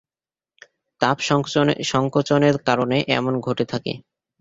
তাপ সংকোচনের কারণে এমন ঘটে থাকে।